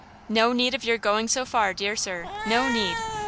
"No need of your going so far, dear sir, no need.